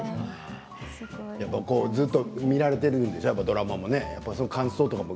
ずっと見られているんでしょうねドラマとかも。